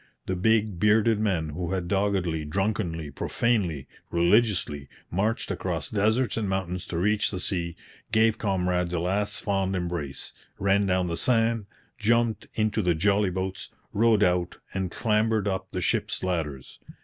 The big, bearded men, who had doggedly, drunkenly, profanely, religiously, marched across deserts and mountains to reach the sea, gave comrades a last fond embrace, ran down the sand, jumped into the jolly boats, rowed out, and clambered up the ships' ladders.